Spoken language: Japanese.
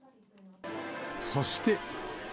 そして。